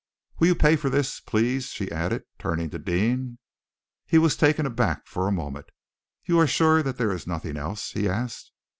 "Will you pay for this, please?" she added, turning to Deane. He was taken aback for a moment. "You are sure that there is nothing else?" he asked.